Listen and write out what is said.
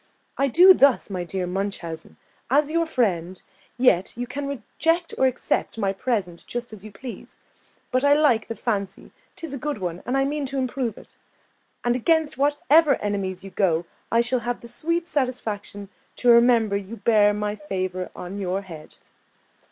I do thus, my dear Munchausen, as your friend, yet you can reject or accept my present just as you please; but I like the fancy, 'tis a good one, and I mean to improve it: and against whatever enemies you go, I shall have the sweet satisfaction to remember you bear my favour on your head!"